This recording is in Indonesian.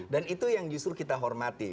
dan itu yang justru kita hormati